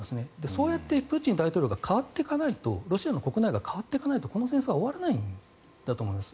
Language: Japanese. そうやってプーチン大統領が変わっていかないとロシア国内が変わっていかないとこの戦争は終わらないんだと思います。